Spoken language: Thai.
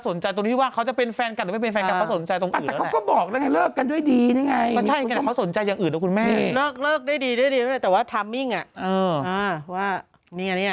สนใจตรงที่ว่าเค้าจะเป็นแฟนกันหรือไม่เป็นแฟนกัน